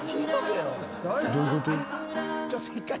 どういうこと？